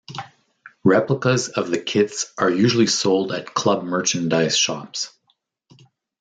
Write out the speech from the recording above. Replicas of the kits are usually sold at club merchandise shops.